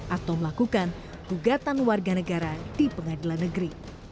atau melakukan gugatan warga negara di pengadilan negeri